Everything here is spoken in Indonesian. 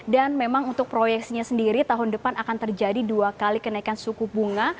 dan memang untuk proyeksinya sendiri tahun depan akan terjadi dua kali kenaikan suku bunga